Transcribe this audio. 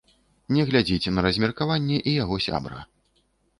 Не глядзіць на размеркаванне і яго сябра.